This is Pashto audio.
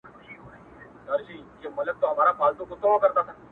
تېرېدل د سلطان مخي ته پوځونه-